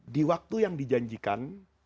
di waktu yang dijanjikan